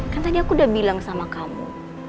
kan tadi aku udah bilang sama kamu